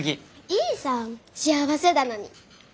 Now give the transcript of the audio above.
いいさあ幸せだのに。